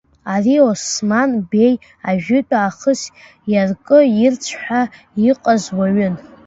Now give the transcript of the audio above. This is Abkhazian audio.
Ари, Осман Беи, ажәытә аахыс, иаркы-ирцә ҳәа иҟаз уаҩын.